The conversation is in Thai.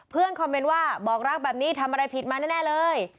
คอมเมนต์ว่าบอกรักแบบนี้ทำอะไรผิดมาแน่เลย